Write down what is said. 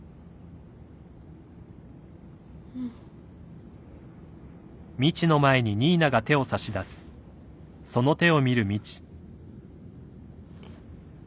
うん。えっ。